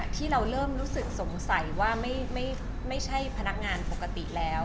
ที่เราเริ่มรู้สึกสงสัยว่าไม่ใช่พนักงานปกติแล้ว